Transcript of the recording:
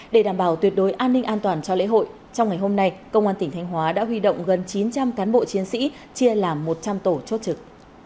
để đảm bảo tuyệt đối an ninh an toàn cho lễ hội trong ngày hôm nay công an tỉnh thanh hóa đã huy động gần chín trăm linh cán bộ chiến sĩ chia làm một trăm linh tổ chốt trực